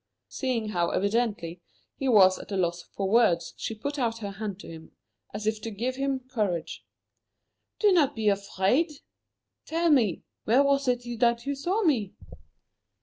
Seeing how evidently he was at a loss for words, she put out her hand to him as if to give him courage. "Do not be afraid. Tell me where was it that you saw me?"